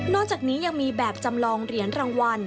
อกจากนี้ยังมีแบบจำลองเหรียญรางวัล